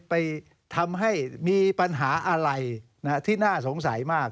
ไปทำให้มีปัญหาอะไรที่น่าสงสัยมาก